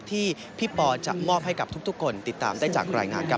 ที่พี่ปอจะมอบให้กับทุกคนติดตามได้จากรายงานครับ